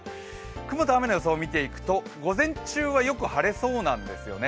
雨と雲の予想を見ていくと午前中はよく晴れそうなんですよね。